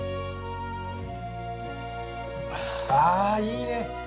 あいいね！